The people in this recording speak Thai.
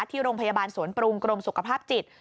ที่โรงพยาบาลสวนปรุงกรมสุขภาพจิต